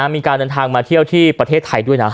มีการเดินทางมาเที่ยวที่ประเทศไทยด้วยนะ